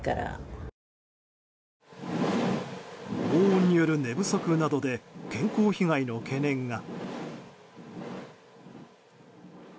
轟音による寝不足などで健康被害の懸念が。